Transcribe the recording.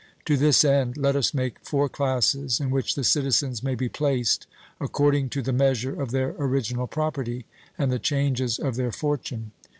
To this end, let us make four classes in which the citizens may be placed according to the measure of their original property, and the changes of their fortune.